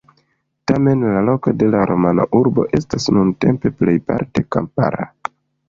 Tamen, la loko de la romana urbo estas nuntempe plejparte kampara.